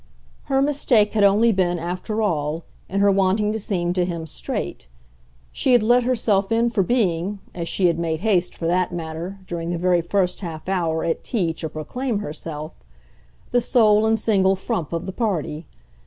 Her mistake had only been, after all, in her wanting to seem to him straight; she had let herself in for being as she had made haste, for that matter, during the very first half hour, at tea, to proclaim herself the sole and single frump of the party.